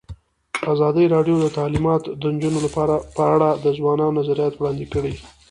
ازادي راډیو د تعلیمات د نجونو لپاره په اړه د ځوانانو نظریات وړاندې کړي.